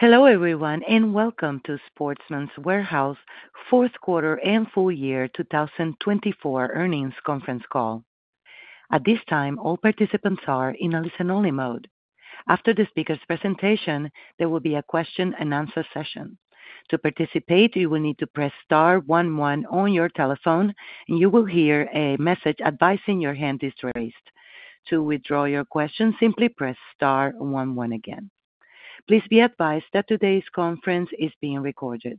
Hello everyone and welcome to Sportsman's Warehouse Fourth Quarter and Full Year 2024 Earnings Conference Call. At this time, all participants are in a listen-only mode. After the speaker's presentation, there will be a question-and-answer session. To participate, you will need to press star one one on your telephone, and you will hear a message advising your hand is raised. To withdraw your question, simply press star one one again. Please be advised that today's conference is being recorded.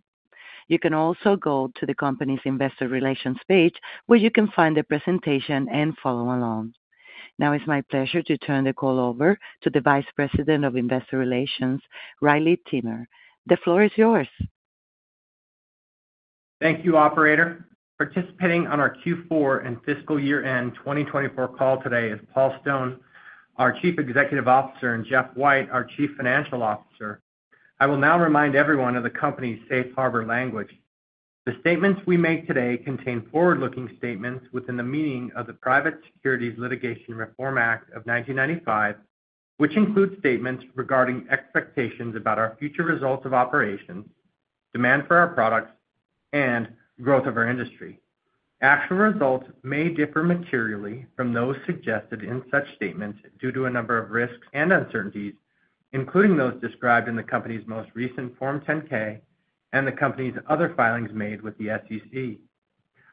You can also go to the company's Investor Relations page, where you can find the presentation and follow along. Now, it's my pleasure to turn the call over to the Vice President of Investor Relations, Riley Timmer. The floor is yours. Thank you, Operator. Participating on our Q4 and Fiscal Year End 2024 call today is Paul Stone, our Chief Executive Officer, and Jeff White, our Chief Financial Officer. I will now remind everyone of the company's safe harbor language. The statements we make today contain forward-looking statements within the meaning of the Private Securities Litigation Reform Act of 1995, which includes statements regarding expectations about our future results of operations, demand for our products, and growth of our industry. Actual results may differ materially from those suggested in such statements due to a number of risks and uncertainties, including those described in the company's most recent Form 10-K and the company's other filings made with the SEC.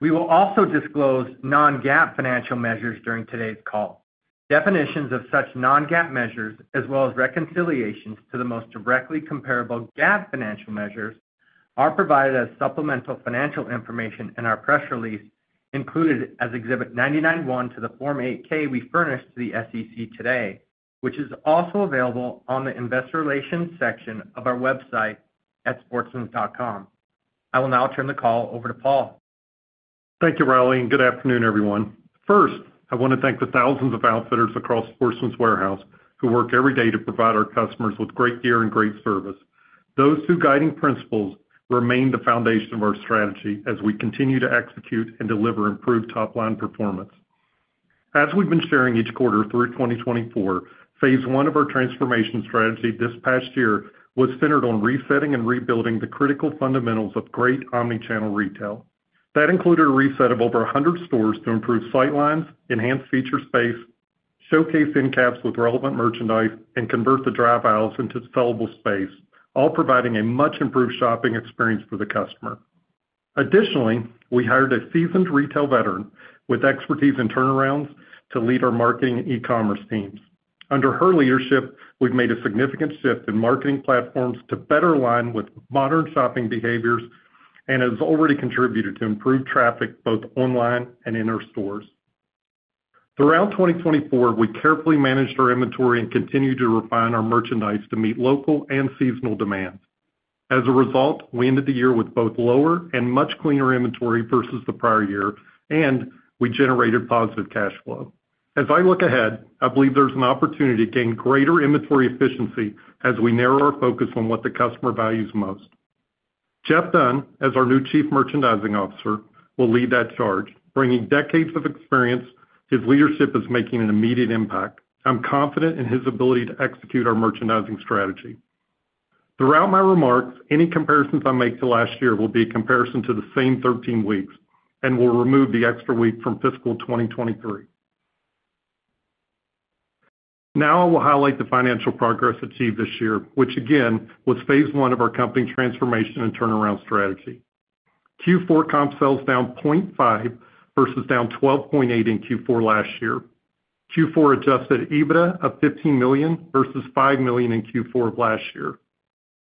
We will also disclose non-GAAP financial measures during today's call. Definitions of such non-GAAP measures, as well as reconciliations to the most directly comparable GAAP financial measures, are provided as supplemental financial information in our press release, included as Exhibit 99-1 to the Form 8-K we furnished to the SEC today, which is also available on the Investor Relations section of our website at sportsmans.com. I will now turn the call over to Paul. Thank you, Riley, and good afternoon, everyone. First, I want to thank the thousands of outfitters across Sportsman's Warehouse who work every day to provide our customers with great gear and great service. Those two guiding principles remain the foundation of our strategy as we continue to execute and deliver improved top-line performance. As we've been sharing each quarter through 2024, phase one of our transformation strategy this past year was centered on resetting and rebuilding the critical fundamentals of great omnichannel retail. That included a reset of over 100 stores to improve sightlines, enhance feature space, showcase end-caps with relevant merchandise, and convert the drive aisles into sellable space, all providing a much-improved shopping experience for the customer. Additionally, we hired a seasoned retail veteran with expertise in turnarounds to lead our marketing and e-commerce teams. Under her leadership, we've made a significant shift in marketing platforms to better align with modern shopping behaviors and has already contributed to improved traffic both online and in our stores. Throughout 2024, we carefully managed our inventory and continued to refine our merchandise to meet local and seasonal demands. As a result, we ended the year with both lower and much cleaner inventory versus the prior year, and we generated positive cash flow. As I look ahead, I believe there's an opportunity to gain greater inventory efficiency as we narrow our focus on what the customer values most. Jeff Dunn, as our new Chief Merchandising Officer, will lead that charge, bringing decades of experience. His leadership is making an immediate impact. I'm confident in his ability to execute our merchandising strategy. Throughout my remarks, any comparisons I make to last year will be a comparison to the same 13 weeks and will remove the extra week from fiscal 2023. Now, I will highlight the financial progress achieved this year, which, again, was phase one of our company's transformation and turnaround strategy. Q4 comp sales down 0.5% versus down 12.8% in Q4 last year. Q4 adjusted EBITDA of $15 million versus $5 million in Q4 of last year.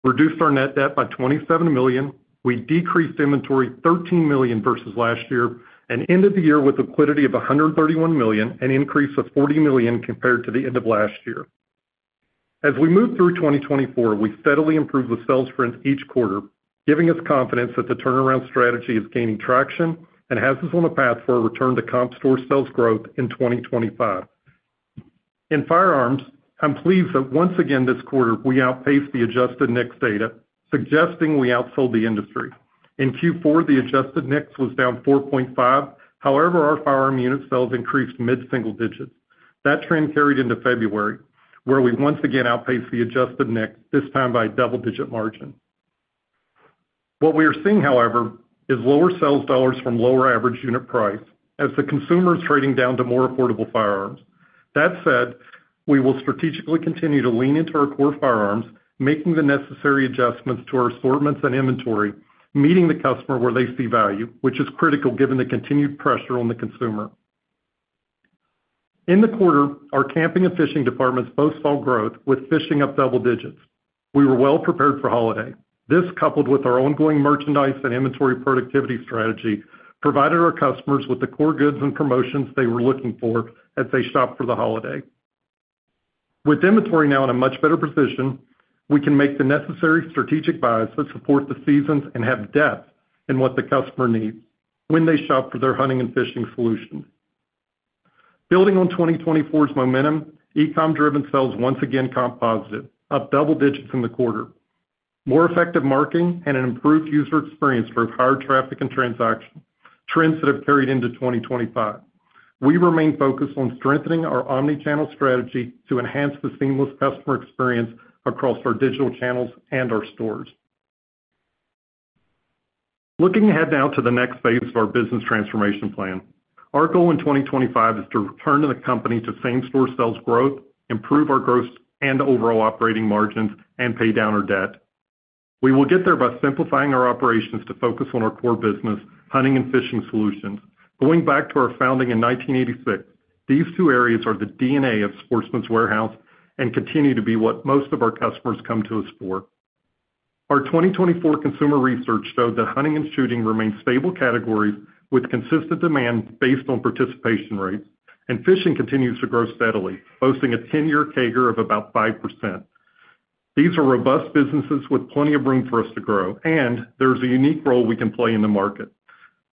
Reduced our net debt by $27 million. We decreased inventory $13 million versus last year and ended the year with a liquidity of $131 million, an increase of $40 million compared to the end of last year. As we move through 2024, we steadily improve the sales for each quarter, giving us confidence that the turnaround strategy is gaining traction and has us on a path for a return to comp store sales growth in 2025. In firearms, I'm pleased that once again this quarter we outpaced the adjusted NICS data, suggesting we outsold the industry. In Q4, the adjusted NICS was down 4.5%. However, our firearm unit sales increased mid-single digits. That trend carried into February, where we once again outpaced the adjusted NICS, this time by a double-digit margin. What we are seeing, however, is lower sales dollars from lower average unit price as the consumer is trading down to more affordable firearms. That said, we will strategically continue to lean into our core firearms, making the necessary adjustments to our assortments and inventory, meeting the customer where they see value, which is critical given the continued pressure on the consumer. In the quarter, our camping and fishing departments both saw growth, with fishing up double digits. We were well prepared for holiday. This, coupled with our ongoing merchandise and inventory productivity strategy, provided our customers with the core goods and promotions they were looking for as they shop for the holiday. With inventory now in a much better position, we can make the necessary strategic buys that support the seasons and have depth in what the customer needs when they shop for their hunting and fishing solutions. Building on 2024's momentum, e-com driven sales once again comp positive, up double digits in the quarter. More effective marketing and an improved user experience drove higher traffic and transaction trends that have carried into 2025. We remain focused on strengthening our omnichannel strategy to enhance the seamless customer experience across our digital channels and our stores. Looking ahead now to the next phase of our business transformation plan, our goal in 2025 is to return the company to same-store sales growth, improve our gross and overall operating margins, and pay down our debt. We will get there by simplifying our operations to focus on our core business, hunting and fishing solutions. Going back to our founding in 1986, these two areas are the DNA of Sportsman's Warehouse and continue to be what most of our customers come to us for. Our 2024 consumer research showed that hunting and shooting remain stable categories with consistent demand based on participation rates, and fishing continues to grow steadily, boasting a 10-year CAGR of about 5%. These are robust businesses with plenty of room for us to grow, and there is a unique role we can play in the market.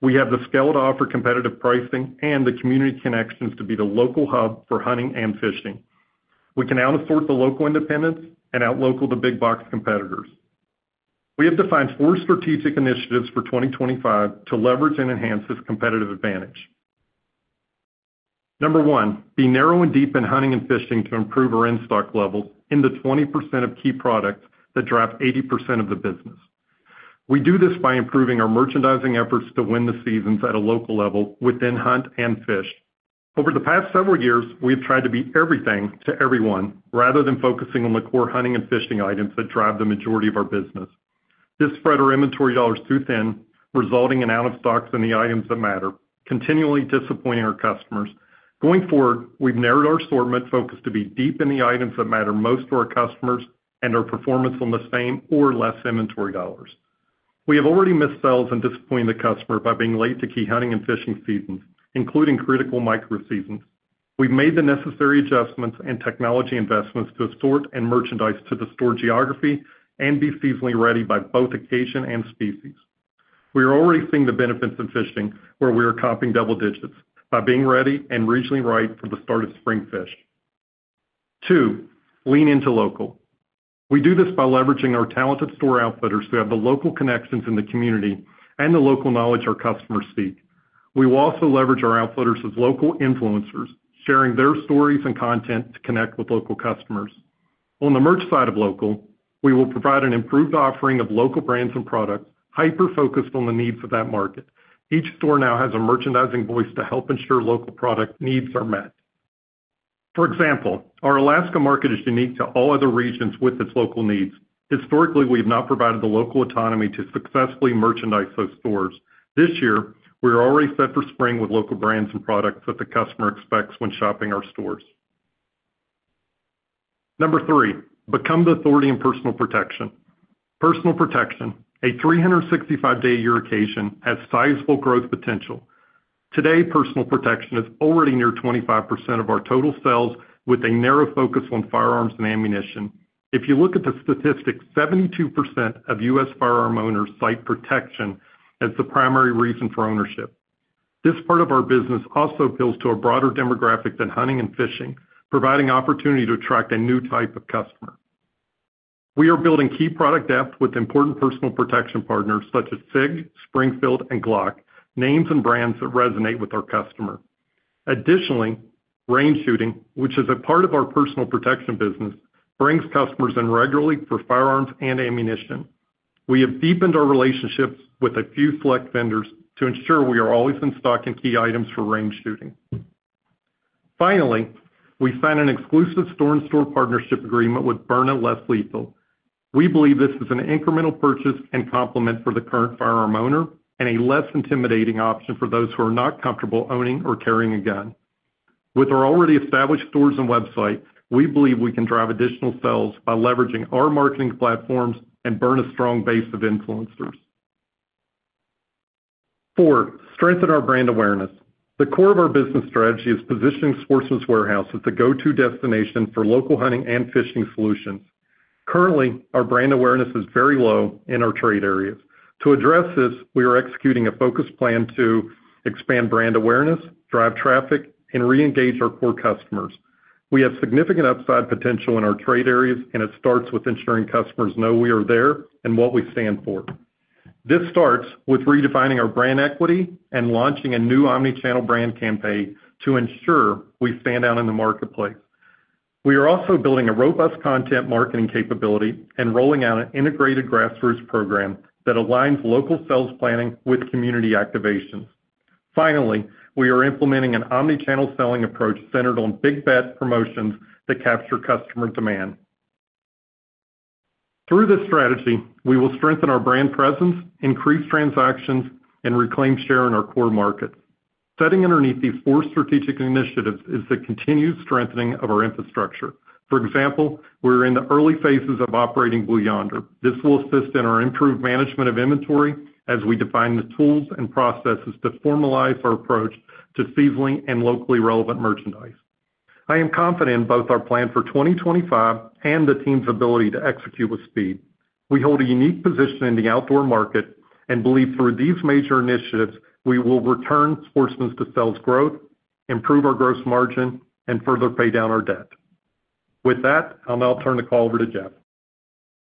We have the scale to offer competitive pricing and the community connections to be the local hub for hunting and fishing. We can out-assort the local independents and out-local the big-box competitors. We have defined four strategic initiatives for 2025 to leverage and enhance this competitive advantage. Number one, be narrow and deep in hunting and fishing to improve our in-stock levels in the 20% of key products that drive 80% of the business. We do this by improving our merchandising efforts to win the seasons at a local level within hunt and fish. Over the past several years, we have tried to be everything to everyone rather than focusing on the core hunting and fishing items that drive the majority of our business. This spread our inventory dollars too thin, resulting in out-of-stocks in the items that matter, continually disappointing our customers. Going forward, we've narrowed our assortment focus to be deep in the items that matter most to our customers and our performance on the same or less inventory dollars. We have already missed sales and disappointed the customer by being late to key hunting and fishing seasons, including critical micro-seasons. We've made the necessary adjustments and technology investments to assort and merchandise to the store geography and be seasonally ready by both occasion and species. We are already seeing the benefits of fishing, where we are comping double digits by being ready and regionally right for the start of spring fish. Two, lean into local. We do this by leveraging our talented store outfitters who have the local connections in the community and the local knowledge our customers seek. We will also leverage our outfitters as local influencers, sharing their stories and content to connect with local customers. On the merch side of local, we will provide an improved offering of local brands and products, hyper-focused on the needs of that market. Each store now has a merchandising voice to help ensure local product needs are met. For example, our Alaska market is unique to all other regions with its local needs. Historically, we have not provided the local autonomy to successfully merchandise those stores. This year, we are already set for spring with local brands and products that the customer expects when shopping our stores. Number three, become the authority in personal protection. Personal protection, a 365-day a year occasion, has sizable growth potential. Today, personal protection is already near 25% of our total sales with a narrow focus on firearms and ammunition. If you look at the statistics, 72% of U.S. firearm owners cite protection as the primary reason for ownership. This part of our business also appeals to a broader demographic than hunting and fishing, providing opportunity to attract a new type of customer. We are building key product depth with important personal protection partners such as SIG, Springfield, and Glock, names and brands that resonate with our customer. Additionally, range shooting, which is a part of our personal protection business, brings customers in regularly for firearms and ammunition. We have deepened our relationships with a few select vendors to ensure we are always in stock and key items for range shooting. Finally, we signed an exclusive store-in-store partnership agreement with Byrna Less Lethal. We believe this is an incremental purchase and complement for the current firearm owner and a less intimidating option for those who are not comfortable owning or carrying a gun. With our already established stores and website, we believe we can drive additional sales by leveraging our marketing platforms and Byrna's strong base of influencers. Four, strengthen our brand awareness. The core of our business strategy is positioning Sportsman's Warehouse as the go-to destination for local hunting and fishing solutions. Currently, our brand awareness is very low in our trade areas. To address this, we are executing a focused plan to expand brand awareness, drive traffic, and re-engage our core customers. We have significant upside potential in our trade areas, and it starts with ensuring customers know we are there and what we stand for. This starts with redefining our brand equity and launching a new omnichannel brand campaign to ensure we stand out in the marketplace. We are also building a robust content marketing capability and rolling out an integrated grassroots program that aligns local sales planning with community activations. Finally, we are implementing an omnichannel selling approach centered on big-bet promotions that capture customer demand. Through this strategy, we will strengthen our brand presence, increase transactions, and reclaim share in our core markets. Sitting underneath these four strategic initiatives is the continued strengthening of our infrastructure. For example, we are in the early phases of operating Blue Yonder. This will assist in our improved management of inventory as we define the tools and processes to formalize our approach to seasonally and locally relevant merchandise. I am confident in both our plan for 2025 and the team's ability to execute with speed. We hold a unique position in the outdoor market and believe through these major initiatives, we will return Sportsman's to sales growth, improve our gross margin, and further pay down our debt. With that, I'll now turn the call over to Jeff.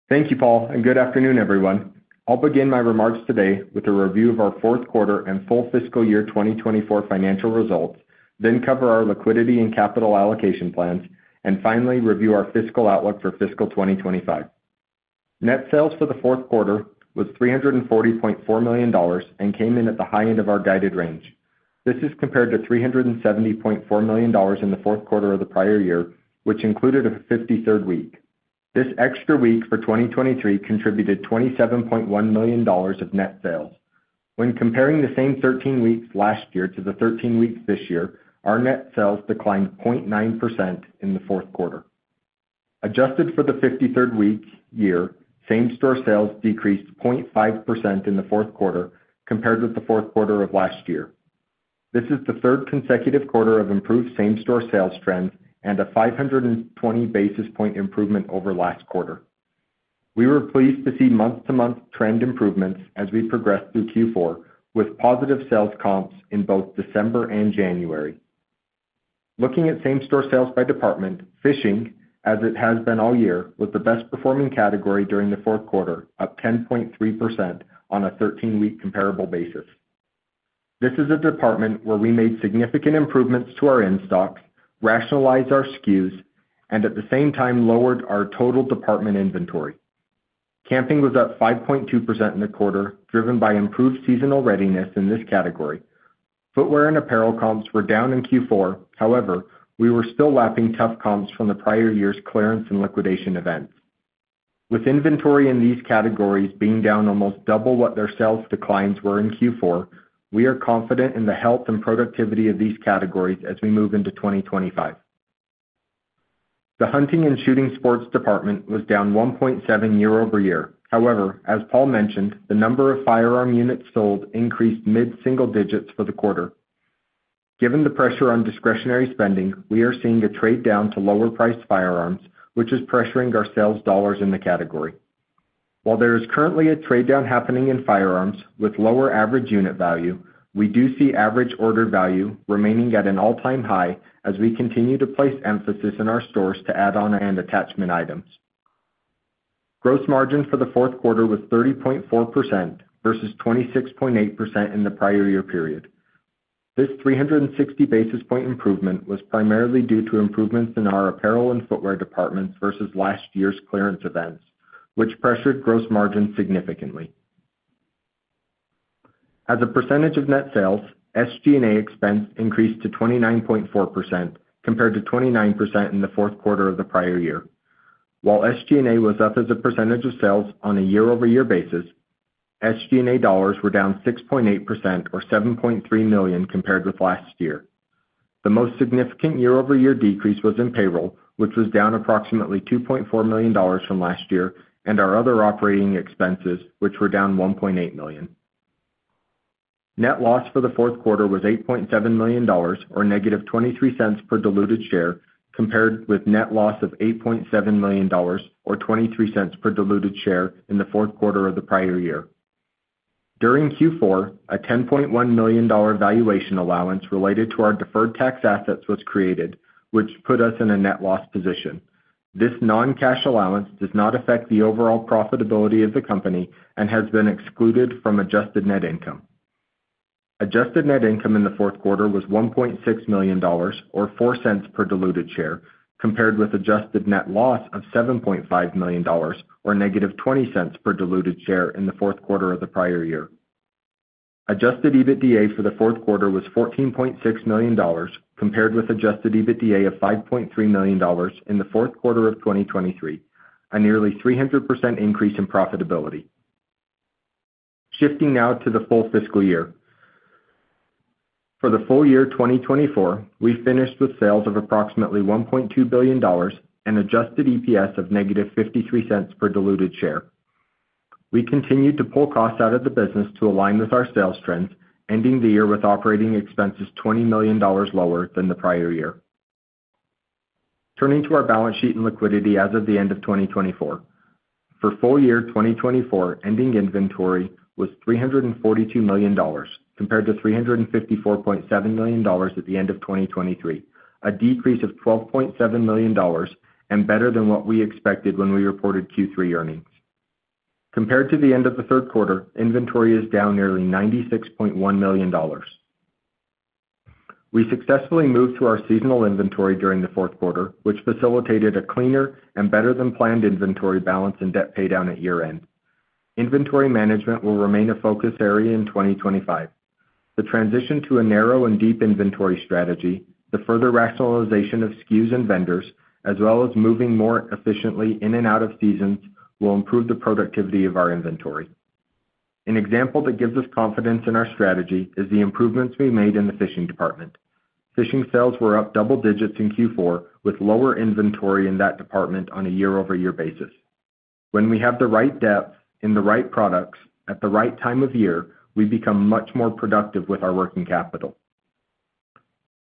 Thank you, Paul, and good afternoon, everyone. I'll begin my remarks today with a review of our fourth quarter and full fiscal year 2024 financial results, then cover our liquidity and capital allocation plans, and finally review our fiscal outlook for fiscal 2025. Net sales for the fourth quarter was $340.4 million and came in at the high end of our guided range. This is compared to $370.4 million in the fourth quarter of the prior year, which included a 53rd week. This extra week for 2023 contributed $27.1 million of net sales. When comparing the same 13 weeks last year to the 13 weeks this year, our net sales declined 0.9% in the fourth quarter. Adjusted for the 53rd week year, same-store sales decreased 0.5% in the fourth quarter compared with the fourth quarter of last year. This is the third consecutive quarter of improved same-store sales trends and a 520 basis point improvement over last quarter. We were pleased to see month-to-month trend improvements as we progressed through Q4 with positive sales comps in both December and January. Looking at same-store sales by department, fishing, as it has been all year, was the best-performing category during the fourth quarter, up 10.3% on a 13-week comparable basis. This is a department where we made significant improvements to our in-stocks, rationalized our SKUs, and at the same time lowered our total department inventory. Camping was up 5.2% in the quarter, driven by improved seasonal readiness in this category. Footwear and apparel comps were down in Q4. However, we were still lapping tough comps from the prior year's clearance and liquidation events. With inventory in these categories being down almost double what their sales declines were in Q4, we are confident in the health and productivity of these categories as we move into 2025. The hunting and shooting sports department was down 1.7% year-over-year. However, as Paul mentioned, the number of firearm units sold increased mid-single digits for the quarter. Given the pressure on discretionary spending, we are seeing a trade down to lower-priced firearms, which is pressuring our sales dollars in the category. While there is currently a trade down happening in firearms with lower average unit value, we do see average order value remaining at an all-time high as we continue to place emphasis in our stores to add-on and attachment items. Gross margin for the fourth quarter was 30.4% versus 26.8% in the prior year period. This 360 basis point improvement was primarily due to improvements in our apparel and footwear departments versus last year's clearance events, which pressured gross margins significantly. As a percentage of net sales, SG&A expense increased to 29.4% compared to 29% in the fourth quarter of the prior year. While SG&A was up as a percentage of sales on a year-over-year basis, SG&A dollars were down 6.8% or $7.3 million compared with last year. The most significant year-over-year decrease was in payroll, which was down approximately $2.4 million from last year, and our other operating expenses, which were down $1.8 million. Net loss for the fourth quarter was $8.7 million or negative $0.23 per diluted share compared with net loss of $8.7 million or $0.23 per diluted share in the fourth quarter of the prior year. During Q4, a $10.1 million valuation allowance related to our deferred tax assets was created, which put us in a net loss position. This non-cash allowance does not affect the overall profitability of the company and has been excluded from adjusted net income. Adjusted net income in the fourth quarter was $1.6 million or $0.04 per diluted share compared with adjusted net loss of $7.5 million or negative $0.20 per diluted share in the fourth quarter of the prior year. Adjusted EBITDA for the fourth quarter was $14.6 million compared with adjusted EBITDA of $5.3 million in the fourth quarter of 2023, a nearly 300% increase in profitability. Shifting now to the full fiscal year. For the full year 2024, we finished with sales of approximately $1.2 billion and adjusted EPS of negative $0.53 per diluted share. We continued to pull costs out of the business to align with our sales trends, ending the year with operating expenses $20 million lower than the prior year. Turning to our balance sheet and liquidity as of the end of 2024. For full year 2024, ending inventory was $342 million compared to $354.7 million at the end of 2023, a decrease of $12.7 million and better than what we expected when we reported Q3 earnings. Compared to the end of the third quarter, inventory is down nearly $96.1 million. We successfully moved through our seasonal inventory during the fourth quarter, which facilitated a cleaner and better than planned inventory balance and debt paydown at year-end. Inventory management will remain a focus area in 2025. The transition to a narrow and deep inventory strategy, the further rationalization of SKUs and vendors, as well as moving more efficiently in and out of seasons, will improve the productivity of our inventory. An example that gives us confidence in our strategy is the improvements we made in the fishing department. Fishing sales were up double digits in Q4 with lower inventory in that department on a year-over-year basis. When we have the right depth in the right products at the right time of year, we become much more productive with our working capital.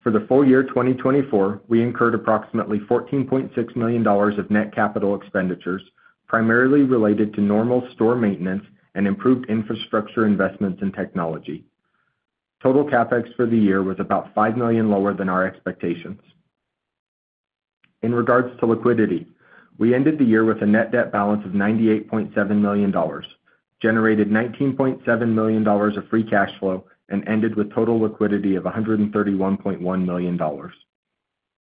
For the full year 2024, we incurred approximately $14.6 million of net capital expenditures, primarily related to normal store maintenance and improved infrastructure investments and technology. Total CapEx for the year was about $5 million lower than our expectations. In regards to liquidity, we ended the year with a net debt balance of $98.7 million, generated $19.7 million of free cash flow, and ended with total liquidity of $131.1 million.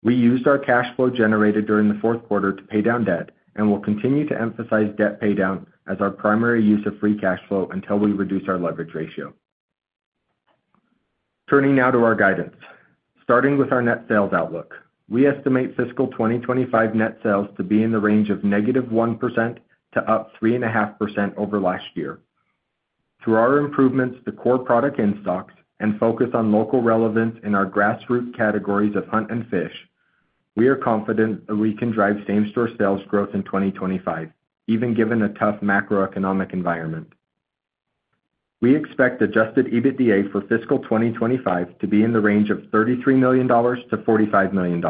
We used our cash flow generated during the fourth quarter to pay down debt and will continue to emphasize debt paydown as our primary use of free cash flow until we reduce our leverage ratio. Turning now to our guidance. Starting with our net sales outlook, we estimate fiscal 2025 net sales to be in the range of -1% to 3.5% over last year. Through our improvements to core product in-stocks and focus on local relevance in our grassroots categories of hunt and fish, we are confident that we can drive same-store sales growth in 2025, even given a tough macroeconomic environment. We expect adjusted EBITDA for fiscal 2025 to be in the range of $33 million-$45 million.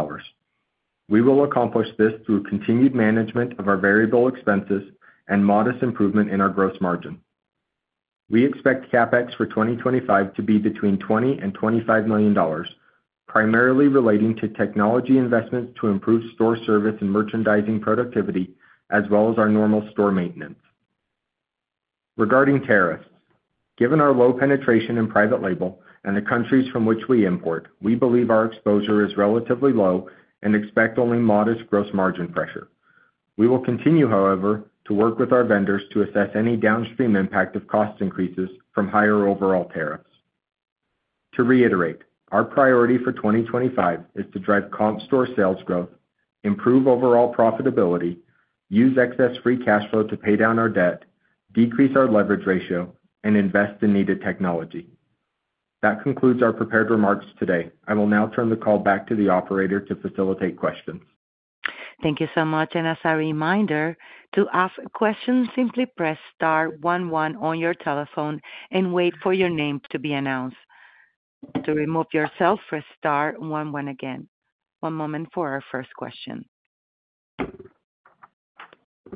We will accomplish this through continued management of our variable expenses and modest improvement in our gross margin. We expect CapEx for 2025 to be between $20 million and $25 million, primarily relating to technology investments to improve store service and merchandising productivity, as well as our normal store maintenance. Regarding tariffs, given our low penetration in private label and the countries from which we import, we believe our exposure is relatively low and expect only modest gross margin pressure. We will continue, however, to work with our vendors to assess any downstream impact of cost increases from higher overall tariffs. To reiterate, our priority for 2025 is to drive comp store sales growth, improve overall profitability, use excess free cash flow to pay down our debt, decrease our leverage ratio, and invest in needed technology. That concludes our prepared remarks today. I will now turn the call back to the operator to facilitate questions. Thank you so much. As a reminder, to ask questions, simply press star one one on your telephone and wait for your name to be announced. To remove yourself, press star one one again. One moment for our first question.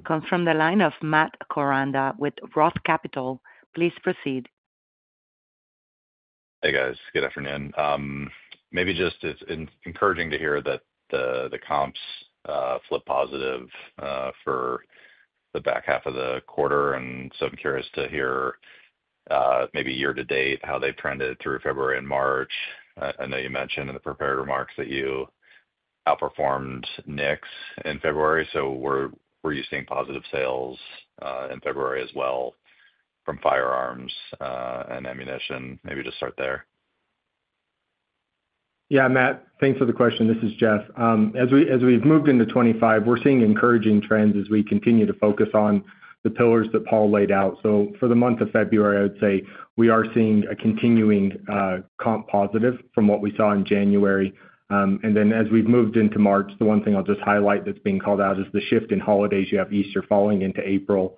Comes from the line of Matt Koranda, ROTH Capital. Please proceed. Hey, guys. Good afternoon. Maybe just it's encouraging to hear that the comps flip positive for the back half of the quarter. I'm curious to hear maybe year-to-date how they've trended through February and March. I know you mentioned in the prepared remarks that you outperformed NICS in February. Were you seeing positive sales in February as well from firearms and ammunition? Maybe just start there. Yeah, Matt. Thanks for the question. This is Jeff. As we've moved into 2025, we're seeing encouraging trends as we continue to focus on the pillars that Paul laid out. For the month of February, I would say we are seeing a continuing comp positive from what we saw in January. As we've moved into March, the one thing I'll just highlight that's being called out is the shift in holidays. You have Easter falling into April,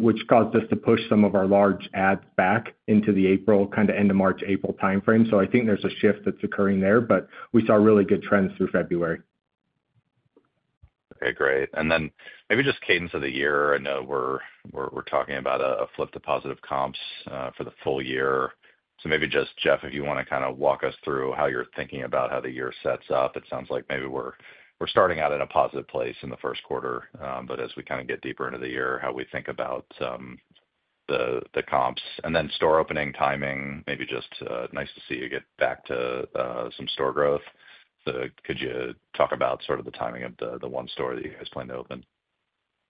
which caused us to push some of our large ads back into the April, kind of end of March, April timeframe. I think there's a shift that's occurring there, but we saw really good trends through February. Okay, great. Maybe just cadence of the year. I know we're talking about a flip to positive comps for the full year. Maybe just, Jeff, if you want to kind of walk us through how you're thinking about how the year sets up. It sounds like maybe we're starting out in a positive place in the first quarter, but as we kind of get deeper into the year, how we think about the comps and then store opening timing. Maybe just nice to see you get back to some store growth. Could you talk about sort of the timing of the one store that you guys plan to open?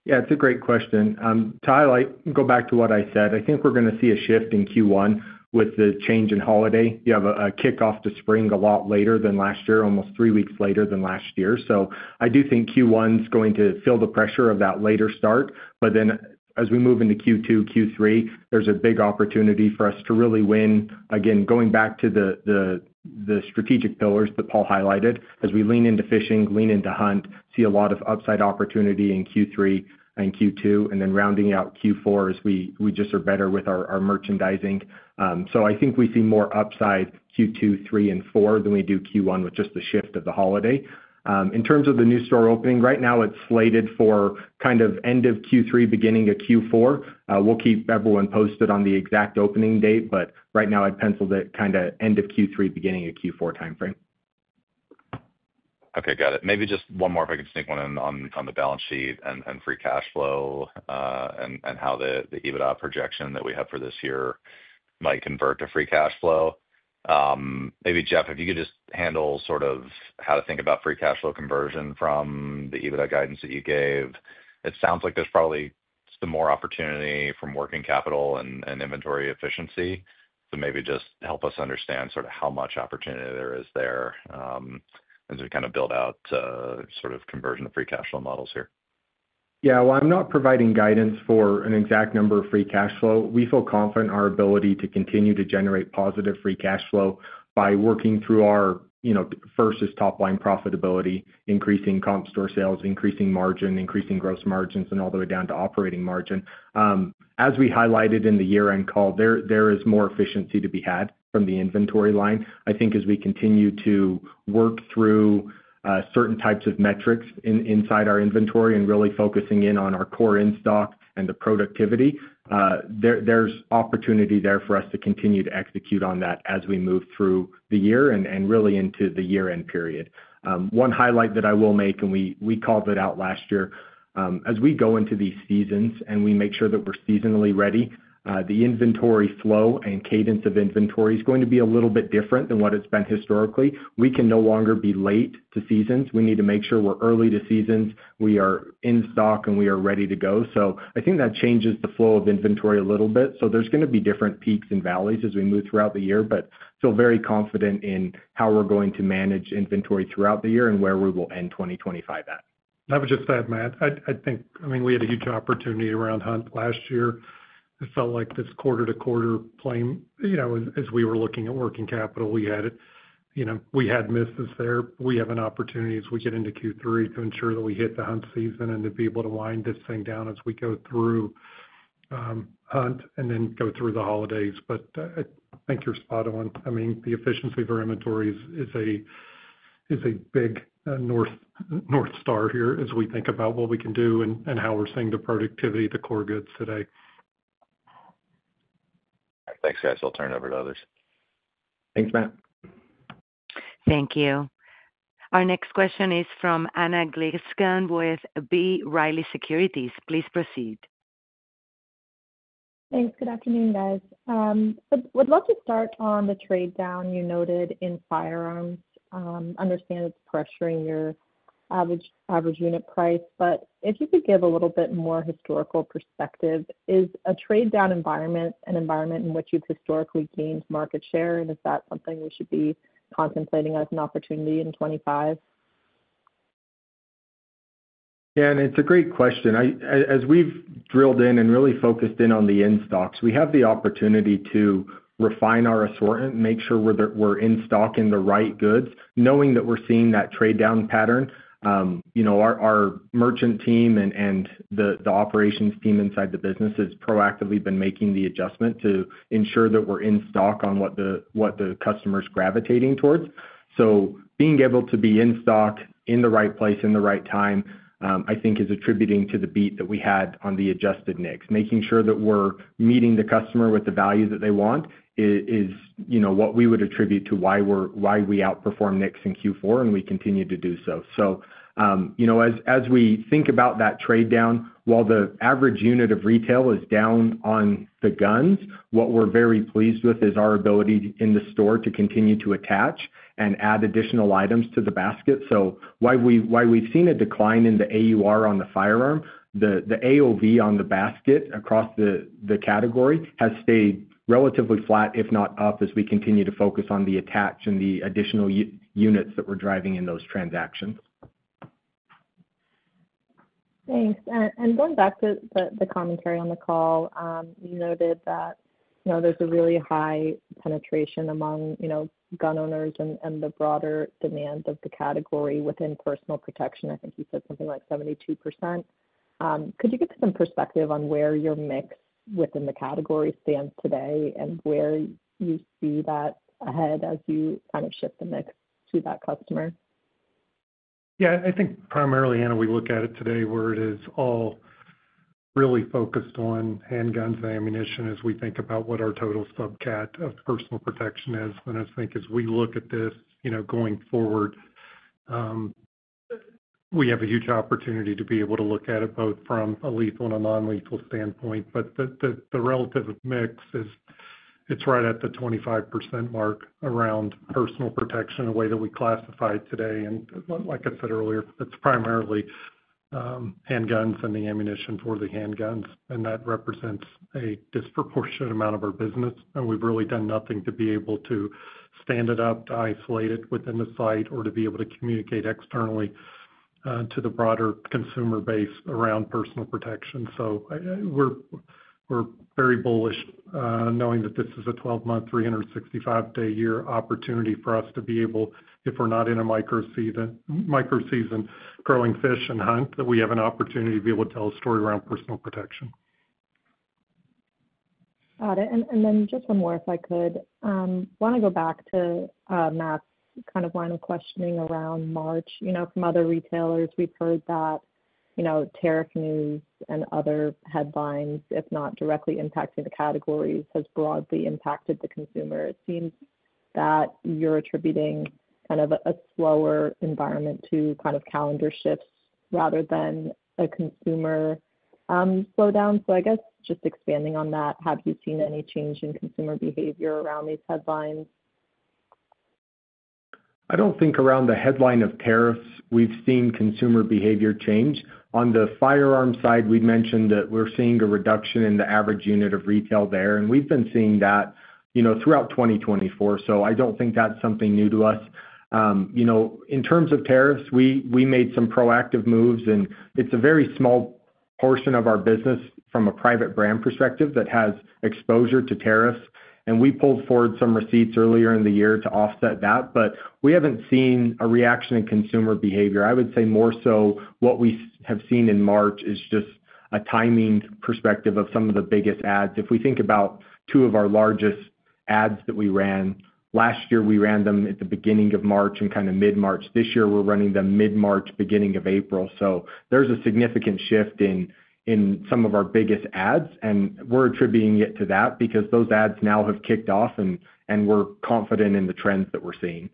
Yeah, it's a great question. To highlight, go back to what I said. I think we're going to see a shift in Q1 with the change in holiday. You have a kickoff to spring a lot later than last year, almost three weeks later than last year. I do think Q1 is going to feel the pressure of that later start. As we move into Q2, Q3, there's a big opportunity for us to really win. Again, going back to the strategic pillars that Paul highlighted, as we lean into fishing, lean into hunt, see a lot of upside opportunity in Q3 and Q2, and then rounding out Q4 as we just are better with our merchandising. I think we see more upside Q2, Q3, and Q4 than we do Q1 with just the shift of the holiday. In terms of the new store opening, right now it's slated for kind of end of Q3, beginning of Q4. We'll keep everyone posted on the exact opening date, but right now I'd pencil that kind of end of Q3, beginning of Q4 timeframe. Okay, got it. Maybe just one more if I could sneak one in on the balance sheet and free cash flow and how the EBITDA projection that we have for this year might convert to free cash flow. Maybe, Jeff, if you could just handle sort of how to think about free cash flow conversion from the EBITDA guidance that you gave. It sounds like there's probably some more opportunity from working capital and inventory efficiency. Maybe just help us understand sort of how much opportunity there is there as we kind of build out sort of conversion to free cash flow models here. Yeah, I'm not providing guidance for an exact number of free cash flow. We feel confident in our ability to continue to generate positive free cash flow by working through our first is top-line profitability, increasing comp store sales, increasing margin, increasing gross margins, and all the way down to operating margin. As we highlighted in the year-end call, there is more efficiency to be had from the inventory line. I think as we continue to work through certain types of metrics inside our inventory and really focusing in on our core in-stock and the productivity, there's opportunity there for us to continue to execute on that as we move through the year and really into the year-end period. One highlight that I will make, and we called it out last year, as we go into these seasons and we make sure that we're seasonally ready, the inventory flow and cadence of inventory is going to be a little bit different than what it's been historically. We can no longer be late to seasons. We need to make sure we're early to seasons. We are in stock and we are ready to go. I think that changes the flow of inventory a little bit. There are going to be different peaks and valleys as we move throughout the year, but feel very confident in how we're going to manage inventory throughout the year and where we will end 2025 at. That was just that, Matt. I think, I mean, we had a huge opportunity around hunt last year. It felt like this quarter-to-quarter plane as we were looking at working capital, we had it. We had misses there. We have an opportunity as we get into Q3 to ensure that we hit the hunt season and to be able to wind this thing down as we go through hunt and then go through the holidays. I think you're spot on. I mean, the efficiency of our inventory is a big North Star here as we think about what we can do and how we're seeing the productivity of the core goods today. Thanks, guys. I'll turn it over to others. Thanks, Matt. Thank you. Our next question is from Anna Glaessgen with B Riley Securities. Please proceed. Thanks. Good afternoon, guys. I would love to start on the trade down you noted in firearms. Understand it's pressuring your average unit price, but if you could give a little bit more historical perspective, is a trade down environment an environment in which you've historically gained market share? Is that something we should be contemplating as an opportunity in 2025? Yeah, and it's a great question. As we've drilled in and really focused in on the in-stocks, we have the opportunity to refine our assortment, make sure we're in stock in the right goods, knowing that we're seeing that trade down pattern. Our merchant team and the operations team inside the business has proactively been making the adjustment to ensure that we're in stock on what the customer's gravitating towards. Being able to be in stock in the right place in the right time, I think, is attributing to the beat that we had on the adjusted NICS. Making sure that we're meeting the customer with the value that they want is what we would attribute to why we outperformed NICS in Q4 and we continue to do so. As we think about that trade down, while the average unit retail is down on the guns, what we're very pleased with is our ability in the store to continue to attach and add additional items to the basket. While we've seen a decline in the AUR on the firearm, the AOV on the basket across the category has stayed relatively flat, if not up, as we continue to focus on the attach and the additional units that we're driving in those transactions. Thanks. Going back to the commentary on the call, you noted that there's a really high penetration among gun owners and the broader demand of the category within personal protection. I think you said something like 72%. Could you give us some perspective on where your mix within the category stands today and where you see that ahead as you kind of shift the mix to that customer? Yeah, I think primarily, Anna, we look at it today where it is all really focused on handguns and ammunition as we think about what our total subcat of personal protection is. I think as we look at this going forward, we have a huge opportunity to be able to look at it both from a lethal and a non-lethal standpoint. The relative mix is right at the 25% mark around personal protection, the way that we classify it today. Like I said earlier, it's primarily handguns and the ammunition for the handguns. That represents a disproportionate amount of our business. We have really done nothing to be able to stand it up, to isolate it within the site, or to be able to communicate externally to the broader consumer base around personal protection. We are very bullish knowing that this is a 12-month, 365-day year opportunity for us to be able, if we are not in a micro-season growing fish and hunt, that we have an opportunity to be able to tell a story around personal protection. Got it. One more, if I could. I want to go back to Matt's kind of line of questioning around March. From other retailers, we have heard that tariff news and other headlines, if not directly impacting the categories, has broadly impacted the consumer. It seems that you are attributing kind of a slower environment to kind of calendar shifts rather than a consumer slowdown. I guess just expanding on that, have you seen any change in consumer behavior around these headlines? I don't think around the headline of tariffs, we've seen consumer behavior change. On the firearm side, we'd mentioned that we're seeing a reduction in the average unit of retail there. And we've been seeing that throughout 2024. I don't think that's something new to us. In terms of tariffs, we made some proactive moves. It's a very small portion of our business from a private brand perspective that has exposure to tariffs. We pulled forward some receipts earlier in the year to offset that. We haven't seen a reaction in consumer behavior. I would say more so what we have seen in March is just a timing perspective of some of the biggest ads. If we think about two of our largest ads that we ran last year, we ran them at the beginning of March and kind of mid-March. This year, we're running them mid-March, beginning of April. There is a significant shift in some of our biggest ads. We're attributing it to that because those ads now have kicked off and we're confident in the trends that we're seeing.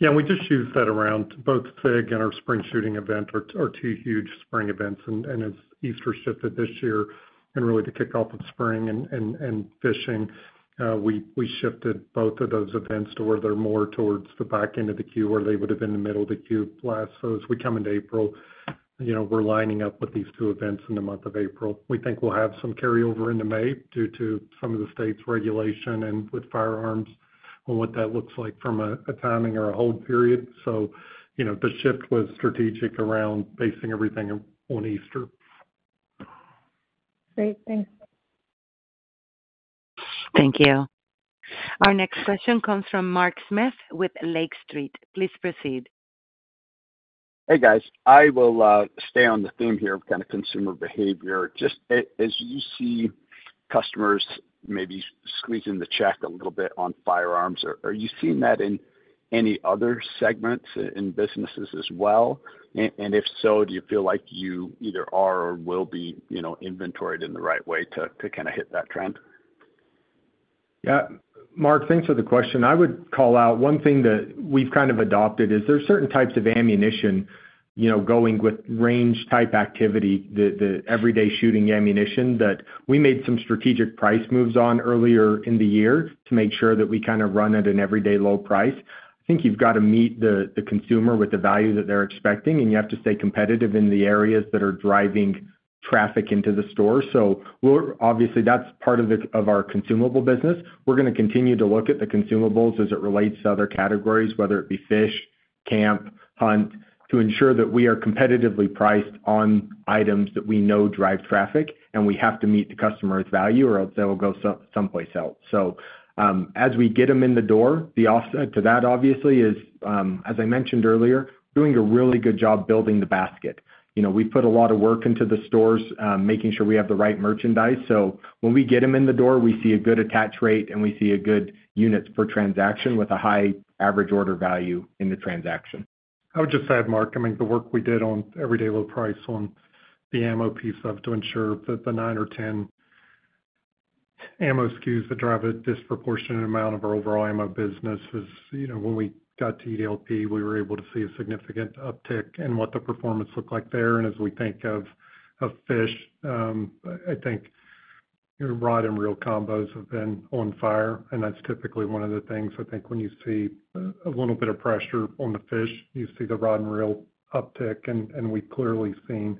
Yeah, and we just shoot that around. Both Fish and our spring shooting event are two huge spring events. As Easter shifted this year and really the kickoff of spring and fishing, we shifted both of those events to where they're more towards the back end of the queue where they would have been in the middle of the queue last. As we come into April, we're lining up with these two events in the month of April. We think we'll have some carryover into May due to some of the state's regulation and with firearms and what that looks like from a timing or a hold period. The shift was strategic around basing everything on Easter. Great. Thanks. Thank you. Our next question comes from Mark Smith with Lake Street. Please proceed. Hey, guys. I will stay on the theme here of kind of consumer behavior. Just as you see customers maybe squeezing the check a little bit on firearms, are you seeing that in any other segments in businesses as well? If so, do you feel like you either are or will be inventoried in the right way to kind of hit that trend? Yeah. Mark, thanks for the question. I would call out one thing that we've kind of adopted is there's certain types of ammunition going with range-type activity, the everyday shooting ammunition that we made some strategic price moves on earlier in the year to make sure that we kind of run at an everyday low price. I think you've got to meet the consumer with the value that they're expecting, and you have to stay competitive in the areas that are driving traffic into the store. Obviously, that's part of our consumable business. We're going to continue to look at the consumables as it relates to other categories, whether it be fish, camp, hunt, to ensure that we are competitively priced on items that we know drive traffic and we have to meet the customer's value or else they will go someplace else. As we get them in the door, the offset to that, obviously, is, as I mentioned earlier, doing a really good job building the basket. We put a lot of work into the stores making sure we have the right merchandise. When we get them in the door, we see a good attach rate and we see good units per transaction with a high average order value in the transaction. I would just add, Mark, I mean, the work we did on everyday low price on the ammo piece to ensure that the nine or ten ammo SKUs that drive a disproportionate amount of our overall ammo business was when we got to EDLP, we were able to see a significant uptick in what the performance looked like there. As we think of fish, I think rod and reel combos have been on fire. That's typically one of the things. I think when you see a little bit of pressure on the fish, you see the rod and reel uptick. We've clearly seen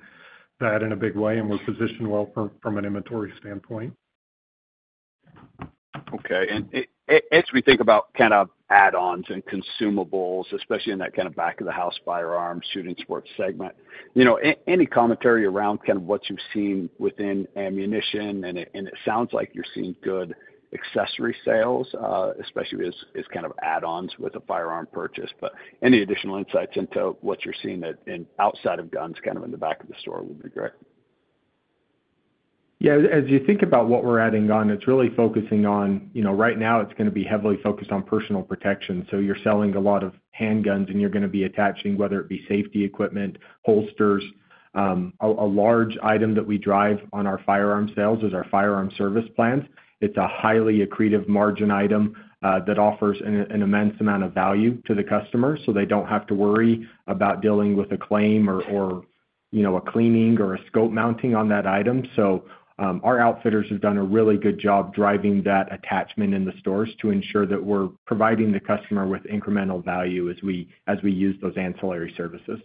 that in a big way. We're positioned well from an inventory standpoint. Okay. As we think about kind of add-ons and consumables, especially in that kind of back-of-the-house firearm shooting sports segment, any commentary around kind of what you've seen within ammunition? It sounds like you're seeing good accessory sales, especially as kind of add-ons with a firearm purchase. Any additional insights into what you're seeing outside of guns kind of in the back of the store would be great. Yeah. As you think about what we're adding on, it's really focusing on right now, it's going to be heavily focused on personal protection. You're selling a lot of handguns and you're going to be attaching, whether it be safety equipment, holsters. A large item that we drive on our firearm sales is our firearm service plans. It's a highly accretive margin item that offers an immense amount of value to the customer. They don't have to worry about dealing with a claim or a cleaning or a scope mounting on that item. Our outfitters have done a really good job driving that attachment in the stores to ensure that we're providing the customer with incremental value as we use those ancillary services.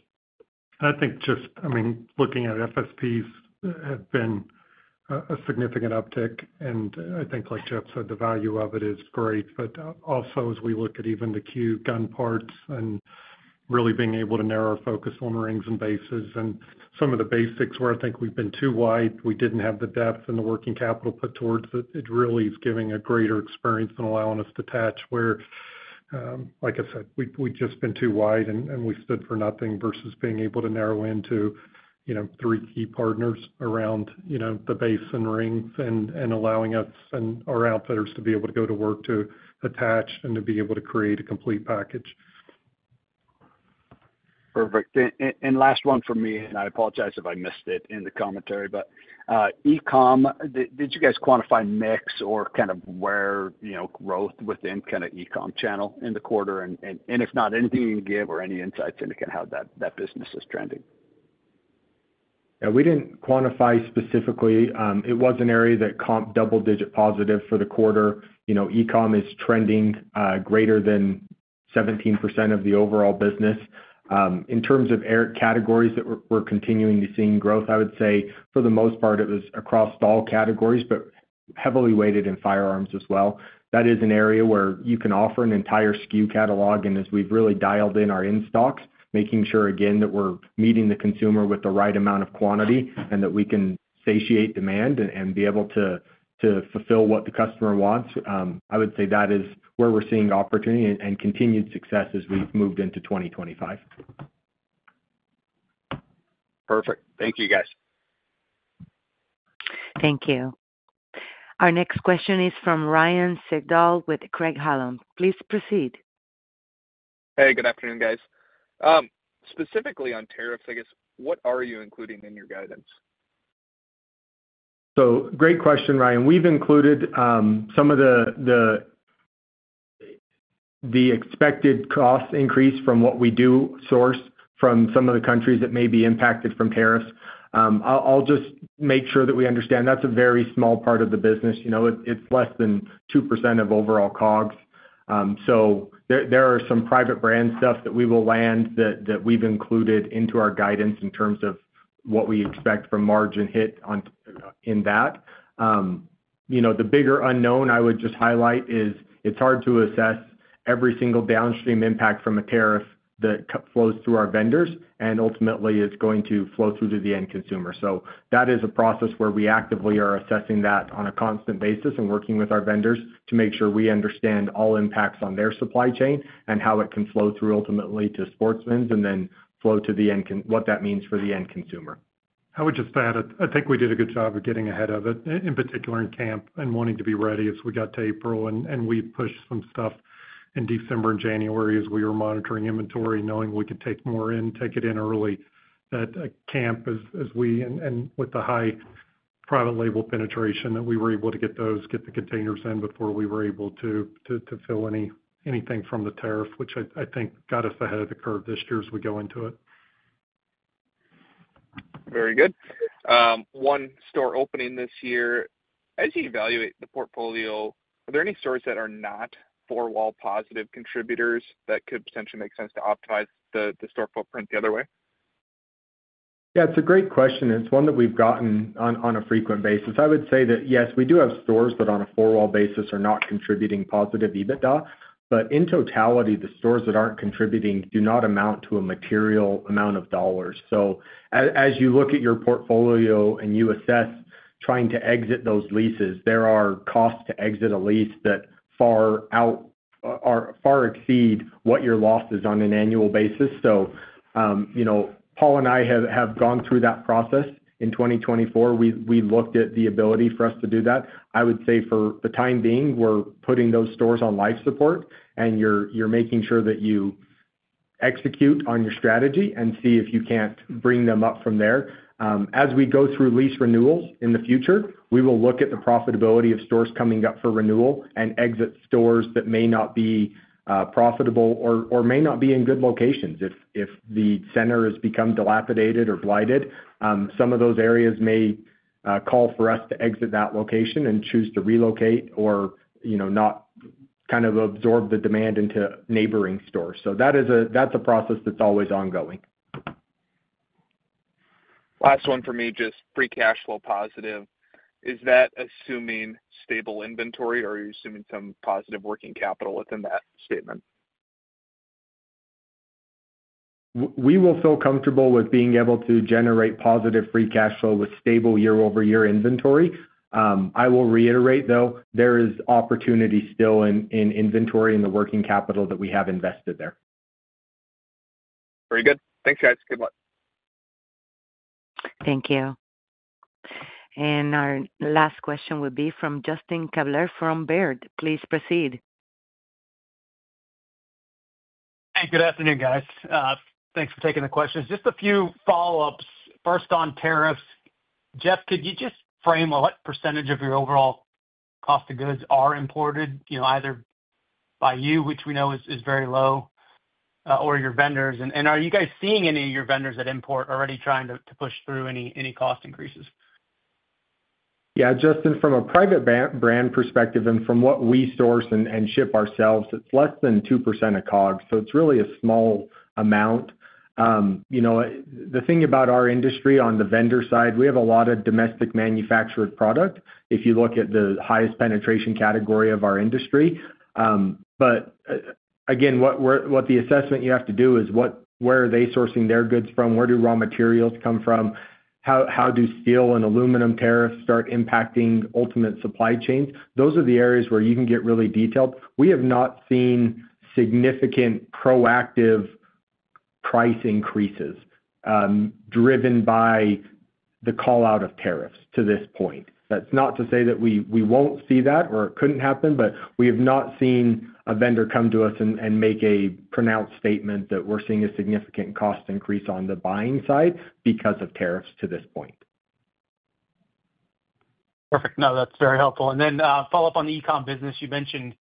I think just, I mean, looking at FSPs have been a significant uptick. I think, like Jeff said, the value of it is great. Also, as we look at even the key gun parts and really being able to narrow our focus on rings and bases and some of the basics where I think we've been too wide, we didn't have the depth and the working capital put towards it, it really is giving a greater experience and allowing us to attach where, like I said, we've just been too wide and we stood for nothing versus being able to narrow into three key partners around the base and rings and allowing us and our outfitters to be able to go to work to attach and to be able to create a complete package. Perfect. Last one for me, and I apologize if I missed it in the commentary, but e-comm, did you guys quantify mix or kind of where growth within kind of e-comm channel in the quarter? If not, anything you can give or any insights into kind of how that business is trending? Yeah. We did not quantify specifically. It was an area that comped double-digit positive for the quarter. E-comm is trending greater than 17% of the overall business. In terms of categories that we are continuing to see in growth, I would say for the most part, it was across all categories, but heavily weighted in firearms as well. That is an area where you can offer an entire SKU catalog. As we have really dialed in our in-stocks, making sure, again, that we are meeting the consumer with the right amount of quantity and that we can satiate demand and be able to fulfill what the customer wants, I would say that is where we are seeing opportunity and continued success as we have moved into 2025. Perfect. Thank you, guys. Thank you. Our next question is from Ryan Sigdahl with Craig Hallum. Please proceed. Hey, good afternoon, guys. Specifically on tariffs, I guess, what are you including in your guidance? Great question, Ryan. We've included some of the expected cost increase from what we do source from some of the countries that may be impacted from tariffs. I'll just make sure that we understand that's a very small part of the business. It's less than 2% of overall COGS. There are some private brand stuff that we will land that we've included into our guidance in terms of what we expect from margin hit in that. The bigger unknown I would just highlight is it's hard to assess every single downstream impact from a tariff that flows through our vendors and ultimately is going to flow through to the end consumer. That is a process where we actively are assessing that on a constant basis and working with our vendors to make sure we understand all impacts on their supply chain and how it can flow through ultimately to Sportsman's Warehouse and then flow to what that means for the end consumer. I would just add, I think we did a good job of getting ahead of it, in particular in camp and wanting to be ready as we got to April. We pushed some stuff in December and January as we were monitoring inventory, knowing we could take more in, take it in early. That camp, as we and with the high private label penetration that we were able to get those, get the containers in before we were able to fill anything from the tariff, which I think got us ahead of the curve this year as we go into it. Very good. One store opening this year. As you evaluate the portfolio, are there any stores that are not four-wall positive contributors that could potentially make sense to optimize the store footprint the other way? Yeah. It's a great question. It's one that we've gotten on a frequent basis. I would say that, yes, we do have stores that on a four-wall basis are not contributing positive EBITDA. But in totality, the stores that aren't contributing do not amount to a material amount of dollars. As you look at your portfolio and you assess trying to exit those leases, there are costs to exit a lease that far exceed what your loss is on an annual basis. Paul and I have gone through that process in 2024. We looked at the ability for us to do that. I would say for the time being, we're putting those stores on life support. You're making sure that you execute on your strategy and see if you can't bring them up from there. As we go through lease renewals in the future, we will look at the profitability of stores coming up for renewal and exit stores that may not be profitable or may not be in good locations. If the center has become dilapidated or blighted, some of those areas may call for us to exit that location and choose to relocate or not kind of absorb the demand into neighboring stores. That is a process that is always ongoing. Last one for me, just free cash flow positive. Is that assuming stable inventory or are you assuming some positive working capital within that statement? We will feel comfortable with being able to generate positive free cash flow with stable year-over-year inventory. I will reiterate, though, there is opportunity still in inventory and the working capital that we have invested there. Very good. Thanks, guys. Good luck. Thank you. Our last question would be from Justin Kleber from Baird. Please proceed. Hey, good afternoon, guys. Thanks for taking the questions. Just a few follow-ups. First, on tariffs, Jeff, could you just frame what percentage of your overall cost of goods are imported either by you, which we know is very low, or your vendors? Are you guys seeing any of your vendors that import already trying to push through any cost increases? Yeah. Justin, from a private brand perspective and from what we source and ship ourselves, it's less than 2% of COGS. It's really a small amount. The thing about our industry on the vendor side, we have a lot of domestic manufactured product if you look at the highest penetration category of our industry. Again, what the assessment you have to do is where are they sourcing their goods from? Where do raw materials come from? How do steel and aluminum tariffs start impacting ultimate supply chains? Those are the areas where you can get really detailed. We have not seen significant proactive price increases driven by the callout of tariffs to this point. That's not to say that we won't see that or it couldn't happen, but we have not seen a vendor come to us and make a pronounced statement that we're seeing a significant cost increase on the buying side because of tariffs to this point. Perfect. No, that's very helpful. Then follow-up on the e-comm business. You mentioned,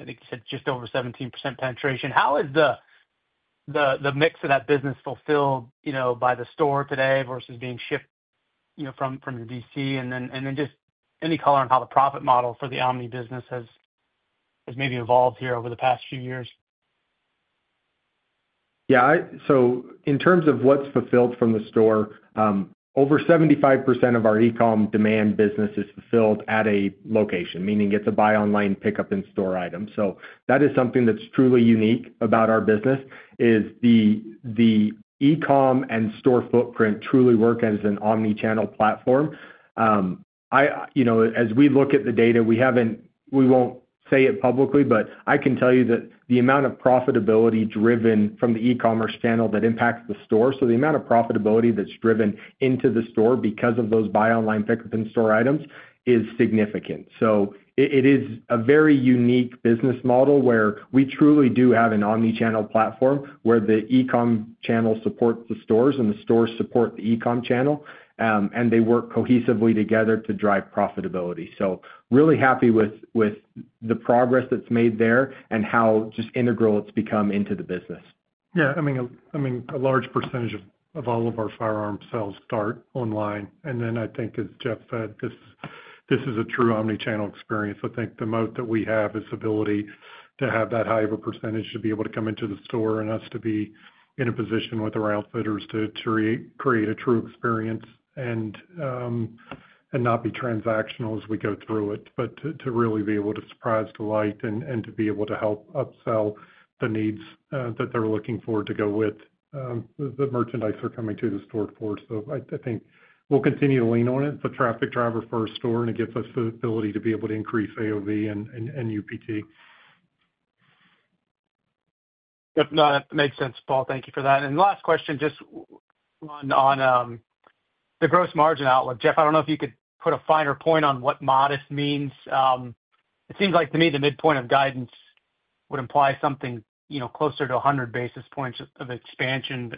I think you said, just over 17% penetration. How is the mix of that business fulfilled by the store today versus being shipped from your DC? Just any color on how the profit model for the omni business has maybe evolved here over the past few years. Yeah. In terms of what's fulfilled from the store, over 75% of our e-comm demand business is fulfilled at a location, meaning it's a buy-online, pick-up-in-store item. That is something that's truly unique about our business, as the e-comm and store footprint truly work as an omni-channel platform. As we look at the data, we won't say it publicly, but I can tell you that the amount of profitability driven from the e-commerce channel impacts the store. The amount of profitability that's driven into the store because of those buy-online, pick-up-in-store items is significant. It is a very unique business model where we truly do have an omni-channel platform where the e-comm channel supports the stores and the stores support the e-comm channel. They work cohesively together to drive profitability. Really happy with the progress that's made there and how just integral it's become into the business. Yeah. I mean, a large percentage of all of our firearm sales start online. And then I think, as Jeff said, this is a true omni-channel experience. I think the moat that we have is the ability to have that high of a percentage to be able to come into the store and us to be in a position with our outfitters to create a true experience and not be transactional as we go through it, but to really be able to surprise, delight, and to be able to help upsell the needs that they're looking for to go with the merchandise they're coming to the store for. I think we'll continue to lean on it. It's a traffic driver for our store, and it gives us the ability to be able to increase AOV and UPT. That makes sense, Paul. Thank you for that. Last question, just on the gross margin outlook. Jeff, I do not know if you could put a finer point on what modest means. It seems like to me the midpoint of guidance would imply something closer to 100 basis points of expansion.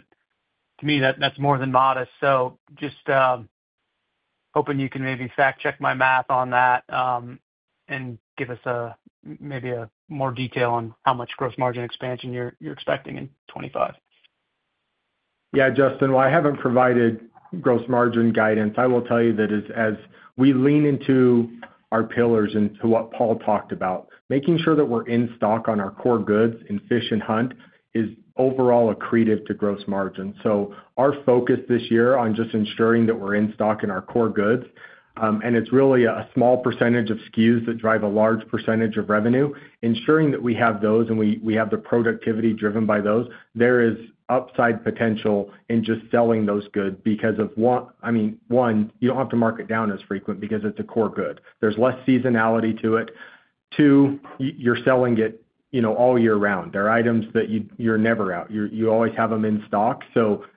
To me, that is more than modest. Just hoping you can maybe fact-check my math on that and give us maybe more detail on how much gross margin expansion you are expecting in 2025. Yeah, Justin, I have not provided gross margin guidance. I will tell you that as we lean into our pillars and to what Paul talked about, making sure that we're in stock on our core goods in fish and hunt is overall accretive to gross margin. Our focus this year on just ensuring that we're in stock in our core goods. It's really a small percentage of SKUs that drive a large percentage of revenue. Ensuring that we have those and we have the productivity driven by those, there is upside potential in just selling those goods because of, I mean, one, you don't have to mark it down as frequent because it's a core good. There's less seasonality to it. Two, you're selling it all year round. There are items that you're never out. You always have them in stock.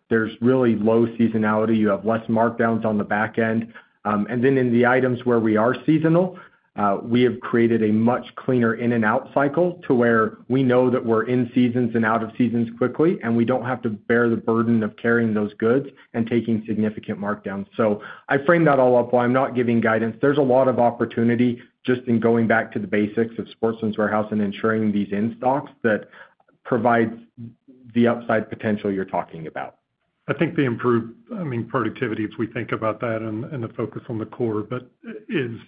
There's really low seasonality. You have less markdowns on the back end. In the items where we are seasonal, we have created a much cleaner in-and-out cycle to where we know that we're in seasons and out of seasons quickly, and we do not have to bear the burden of carrying those goods and taking significant markdowns. I framed that all up. While I am not giving guidance, there is a lot of opportunity just in going back to the basics of Sportsman's Warehouse and ensuring these in-stocks that provide the upside potential you are talking about. I think the improved, I mean, productivity, if we think about that and the focus on the core, is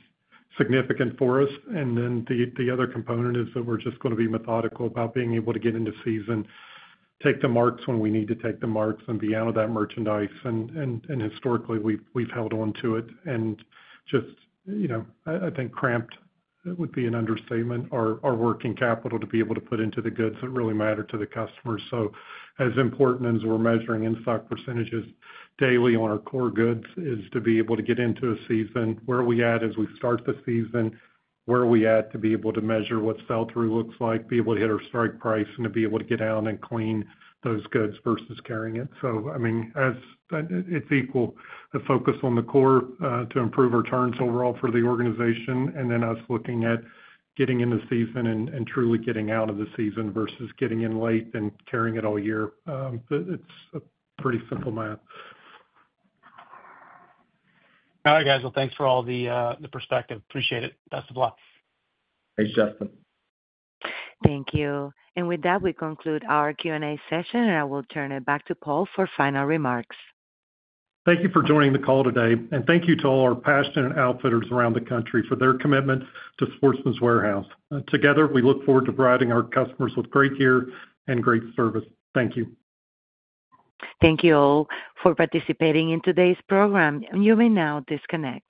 significant for us. The other component is that we are just going to be methodical about being able to get into season, take the marks when we need to take the marks, and be out of that merchandise. Historically, we have held on to it. I think trapped would be an understatement, our working capital to be able to put into the goods that really matter to the customers. As important as we're measuring in-stock percentages daily on our core goods is to be able to get into a season. Where are we at as we start the season? Where are we at to be able to measure what sell-through looks like, be able to hit our strike price, and to be able to get out and clean those goods versus carrying it? I mean, it's equal to focus on the core to improve returns overall for the organization. Us looking at getting into season and truly getting out of the season versus getting in late and carrying it all year. It's pretty simple math. All right, guys. Thanks for all the perspective. Appreciate it. Best of luck. Thanks, Justin. Thank you. With that, we conclude our Q&A session, and I will turn it back to Paul for final remarks. Thank you for joining the call today. Thank you to all our passionate outfitters around the country for their commitment to Sportsman's Warehouse. Together, we look forward to providing our customers with great gear and great service. Thank you. Thank you all for participating in today's program. You may now disconnect.